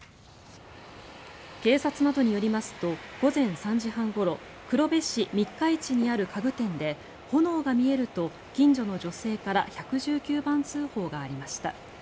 警察などによりますと午前３時半ごろ黒部市三日市にある家具店で炎が見えると近所の女性から１１９番通報がありました。